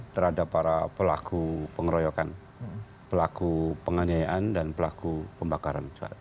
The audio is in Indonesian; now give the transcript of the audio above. terhadap para pelaku pengeroyokan pelaku penganiayaan dan pelaku pembakaran